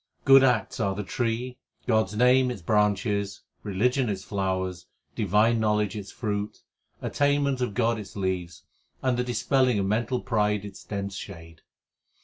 Good acts are the tree, God s name its branches, religion its flowers, divine knowledge its fruit, Attainment of God its leaves, and the dispelling of mental pride its dense shade.